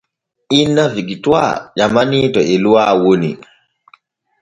Inna Fikituwa ƴamanii to Eluwa woni.